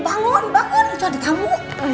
bangun bangun ada tamu